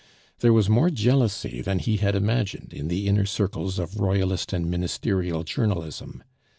There was more jealousy than he had imagined in the inner circles of Royalist and Ministerial journalism.